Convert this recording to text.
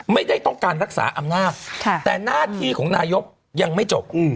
ไม่ได้ต้องการรักษาอำนาจแต่หน้าที่ของนายกยังไม่จบ